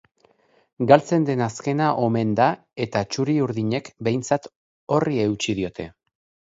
Galtzen den azkena omen da eta txuri-urdinek behintzat horri eutsi diote.